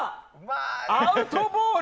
アウトボール。